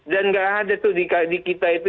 dan nggak ada tuh di kita itu